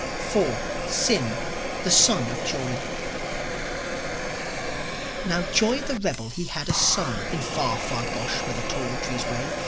SYM, THE SON OF JOI Now Joi, the rebel, he had a son In far, far Gosh where the tall trees wave.